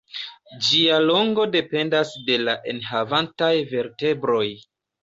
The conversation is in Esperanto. Ĝia longo dependas de la enhavantaj vertebroj.